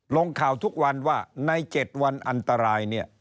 ลงข่าวทุกวันว่าใน๗วันอันตรายเนี่ย